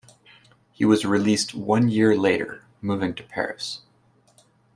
He was released one year later, moving to Paris.